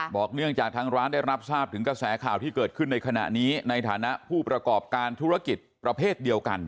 เนื่องจากทางร้านได้รับทราบถึงกระแสข่าวที่เกิดขึ้นในขณะนี้ในฐานะผู้ประกอบการธุรกิจประเภทเดียวกัน